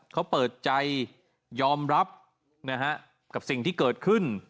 เขาเปิดใจยอมรับนะฮะกับสิ่งที่เกิดขึ้น